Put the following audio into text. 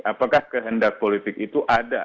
apakah kehendak politik itu ada